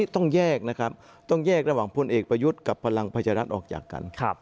ต้องแยกระหว่างผลเอกประยุทธ์กับพลังประชารัฐออกจากกัน